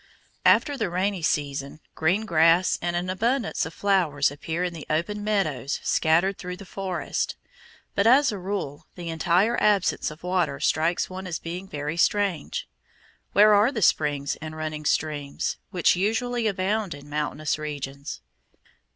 After the rainy season green grass and an abundance of flowers appear in the open meadows scattered through the forest. But, as a rule, the entire absence of water strikes one as being very strange. Where are the springs and running streams which usually abound in mountainous regions?